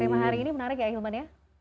tema hari ini menarik ya ahilman ya